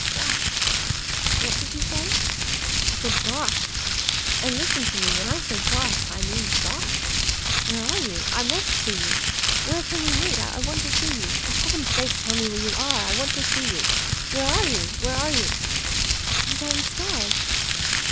"Gosh!" "What did you say?" "I said Gosh! And listen to me, when I say Gosh, I mean Gosh! Where are you? I must see you. Where can we meet? I want to see you! For Heaven's sake, tell me where you are. I want to see you! Where are you? Where are you?" "I'm downstairs."